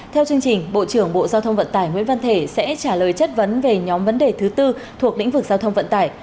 theo chương trình bộ trưởng bộ giao thông vận tải nguyễn văn thể sẽ trả lời chất vấn về nhóm vấn đề thứ tư thuộc lĩnh vực giao thông vận tải